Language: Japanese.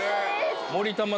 もりたま